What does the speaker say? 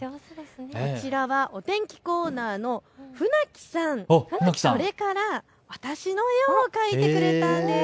こちらはお天気コーナーの船木さん、それから私の絵を描いてくれたんです。